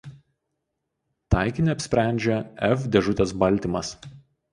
Taikinį apsprendžia F dėžutės baltymas.